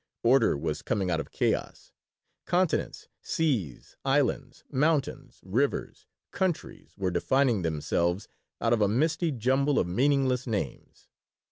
Order was coming out of chaos. Continents, seas, islands, mountains, rivers, countries, were defining themselves out of a misty jumble of meaningless names.